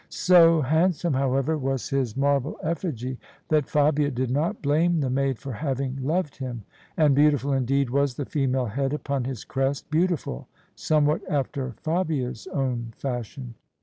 So handsome, however, was his marble effigy that Fabia did not blame the maid for having loved him: and beautiful indeed was the female head upon his crest — ^beautiful somewhat after Fabia's own fashion.